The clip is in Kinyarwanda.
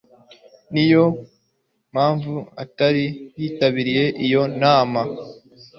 Niyo mpamvu atari yitabiriye iyo nama